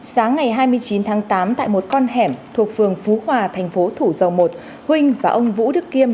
sáng ngày hai mươi chín tháng tám tại một con hẻm thuộc phường phú hòa thành phố thủ dầu một huỳnh và ông vũ đức kiêm